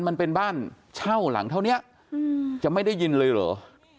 มันเป็นบ้านเช่าหลังเท่านี้จะไม่ได้ยินเลยเหรอ